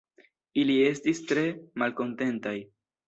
Ili estis tre malkontentaj.